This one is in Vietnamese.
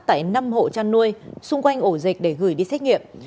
tại năm hộ chăn nuôi xung quanh ổ dịch để gửi đi xét nghiệm